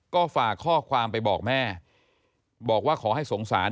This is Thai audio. ก็ฝากข้อความไปบอกแม่บอกว่าขอให้สงสาร